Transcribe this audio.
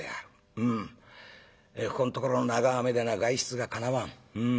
ここんところの長雨でな外出がかなわん。